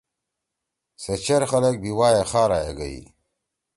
سے چیر خلگ بھی وائے خارا یے گئی۔